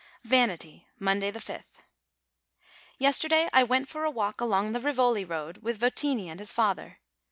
VANITY Monday, 5th. Yesterday I went for a walk along the Rivoli road with Votini and his father.